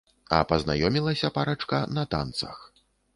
А пазнаёмілася парачка на танцах.